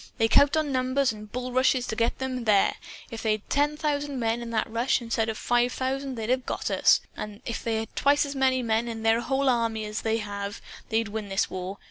"They count on numbers and bullrushes to get them there. If they'd had ten thousand men, in that rush, instead of five thousand, they'd have got us. And if they had twice as many men in their whole army as they have, they'd win this war.